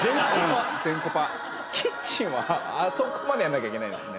キッチンはあそこまでやんなきゃいけないんですね。